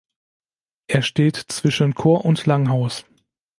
Er steht zwischen Chor und Langhaus.